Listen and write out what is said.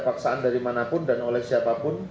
paksaan dari manapun dan oleh siapapun